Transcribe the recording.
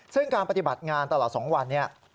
ซึ่งการปฏิบัติงานตลอด๒วันนี้